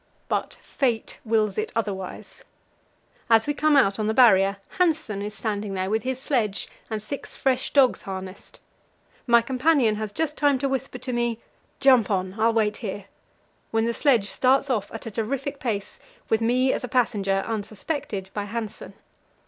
But Fate wills it otherwise. As we come out on the Barrier, Hanssen is standing there with his sledge and six fresh dogs harnessed. My companion has just time to whisper to me, "Jump on; I'll wait here," when the sledge starts off at a terrific pace with me as a passenger, unsuspected by Hanssen.